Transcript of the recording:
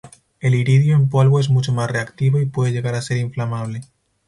El iridio en polvo es mucho más reactivo y puede llegar a ser inflamable.